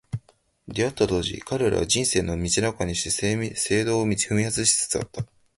出逢った当時、彼らは、「人生の道半ばにして正道を踏み外し」つつあった。